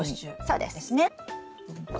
そうです。